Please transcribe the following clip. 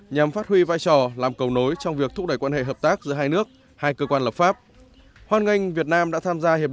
nhằm phát huy vai trò làm cầu nối trong việc thúc đẩy quan hệ hợp tác giữa hai nước hai cơ quan lập pháp